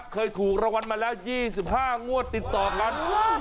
เคยถูกรางวัลมาแล้ว๒๕งวดติดต่อกัน